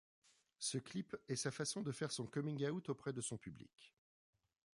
Ce clip est sa façon de faire son coming out auprès de son public.